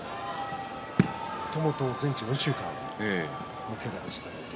もともと全治４週間のけがでした。